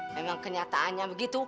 memang kenyataannya begitu